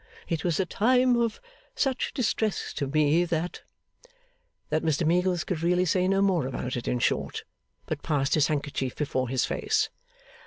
It was a time of such distress to me that ' That Mr Meagles could really say no more about it, in short, but passed his handkerchief before his face.